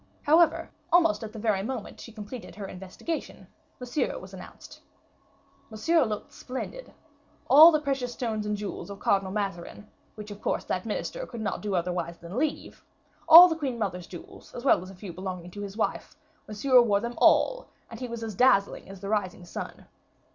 However, almost at the very moment she completed her investigation, Monsieur was announced. Monsieur looked splendid. All the precious stones and jewels of Cardinal Mazarin, which of course that minister could not do otherwise than leave; all the queen mother's jewels as well as a few belonging to his wife Monsieur wore them all, and he was as dazzling as the rising sun.